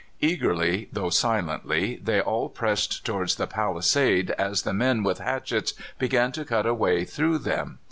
Eagerly, though silently, they all pressed towards the palisades as the men with hatchets began to cut a way through them.